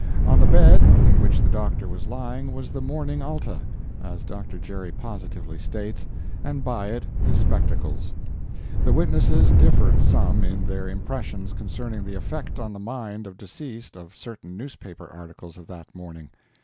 On the bed in which the Doctor was lying was the Morning Alta, as Dr. Gerry positively states, and by it his spectacles. The witnesses differed some in their impressions concerning the effect on the mind of deceased of certain newspaper articles of that morning.